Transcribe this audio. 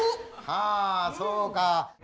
あそうか。